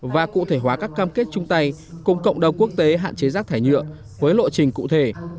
và cụ thể hóa các cam kết chung tay cùng cộng đồng quốc tế hạn chế rác thải nhựa với lộ trình cụ thể